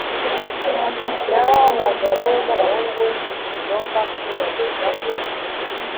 n abagabo n abahungu ntitugomba kwibagirwako